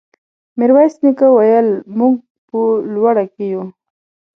ميرويس نيکه وويل: موږ په لوړه کې يو.